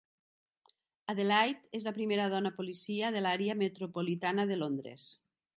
Adelaide és la primera dona policia de l’àrea metropolitana de Londres.